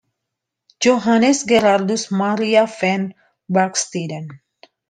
Johannes Gerardus Maria van Burgsteden.